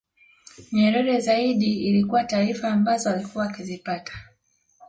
Nyerere zaidi ilikuwa taarifa ambazo alikuwa akizipata